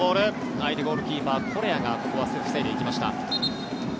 相手ゴールキーパー、コレアがここは防いでいきました。